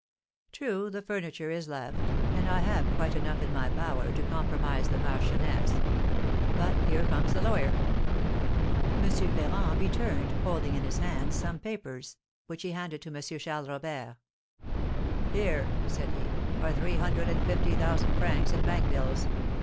True, the furniture is left, and I have quite enough in my power to compromise the marchioness. But here comes the lawyer!" M. Ferrand returned, holding in his hands some papers, which he handed to M. Charles Robert. "Here," said he, "are three hundred and fifty thousand francs in bank bills.